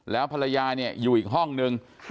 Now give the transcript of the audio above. แล้วภรรยาเนี่ยอยู่อีกห้องนึง